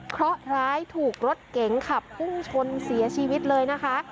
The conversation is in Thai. เพราะร้ายถูกรถเก๋งขับพุ่งชนเสียชีวิตเลยนะคะ